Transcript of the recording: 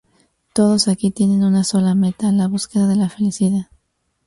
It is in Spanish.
Todos aquí tienen una sola meta: la búsqueda de la felicidad.